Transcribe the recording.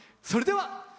それでは。